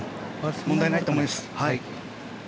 問題ないと思います。